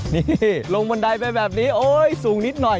นี่ลงบันไดไปแบบนี้โอ๊ยสูงนิดหน่อย